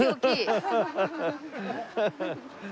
ハハハハ。